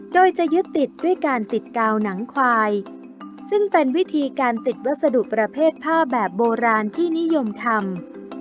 โดยจะยึดติดด้วยการติดกาวหนังควายซึ่งเป็นวิธีการติดวัสดุประเภทผ้าแบบโบราณที่นิยมทำ